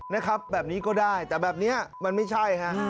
นะครับแบบนี้ก็ได้แต่แบบนี้มันไม่ใช่ฮะ